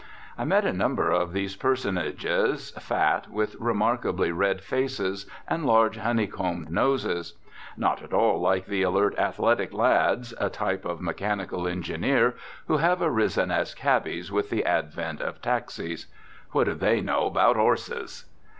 I met a number of these personages, fat, with remarkably red faces and large honeycombed noses. Not at all like the alert, athletic lads, a type of mechanical engineer, who have arisen as cabbies with the advent of taxis. What do they know about 'orses?